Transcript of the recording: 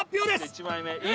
１枚目１。